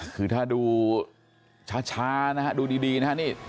คือถ้าดูช้านะฮะดูดีนะฮะนี่